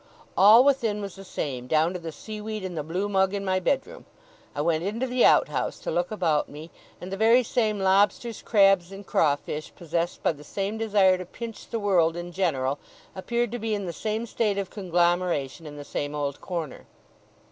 All within was the same, down to the seaweed in the blue mug in my bedroom. I went into the out house to look about me; and the very same lobsters, crabs, and crawfish possessed by the same desire to pinch the world in general, appeared to be in the same state of conglomeration in the same old corner.